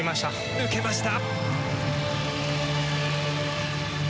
抜けました。